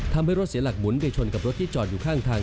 ทำให้รถเสียหลักหมุนไปชนกับรถที่จอดอยู่ข้างทาง